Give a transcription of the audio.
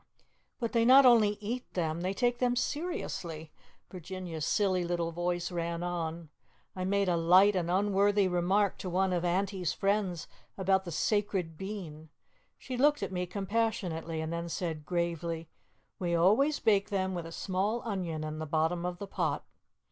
"But they not only eat them they take them seriously," Virginia's silly little voice ran on. "I made a light and unworthy remark to one of Auntie's friends about the sacred bean. She looked at me compassionately and then said gravely, 'We always bake them with a small onion in the bottom of the pot.